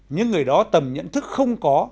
những người đó tầm nhận thức không có